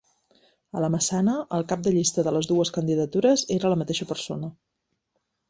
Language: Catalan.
A la Massana, el cap de llista de les dues candidatures era la mateixa persona.